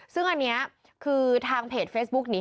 ซึ่งอันนี้คือทางเพจเฟซบุ๊กนี้